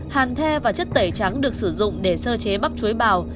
hàn the và chất tẩy trắng được sử dụng để sơ chế bắp chuối bào